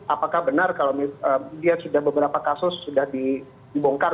apakah benar kalau dia sudah beberapa kasus sudah dibongkar